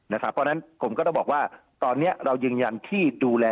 เพราะฉะนั้นผมก็ต้องบอกว่าตอนนี้เรายืนยันที่ดูแล